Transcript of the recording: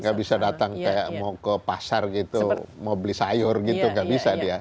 nggak bisa datang kayak mau ke pasar gitu mau beli sayur gitu nggak bisa dia